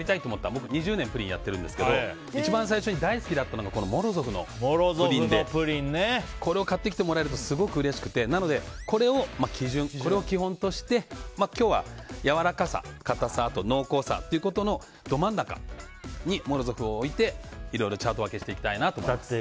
僕、２０年プリンやってるんですけど一番最初に大好きだったのがモロゾフのプリンでこれを買ってきてもらえるとすごくうれしくてなので、これを基本として今日は、やわらかさ、かたさと濃厚さということのど真ん中にモロゾフを置いていろいろチャート分けしていきたいと思います。